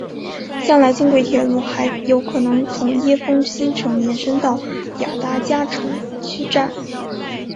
将来轻轨铁路还有可能从椰风新城延伸到雅加达城区站。